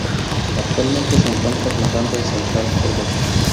Actualmente, se encuentra jugando en Central Córdoba.